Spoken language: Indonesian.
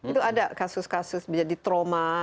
itu ada kasus kasus menjadi trauma